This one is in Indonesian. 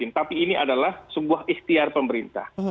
tapi ini adalah sebuah ikhtiar pemerintah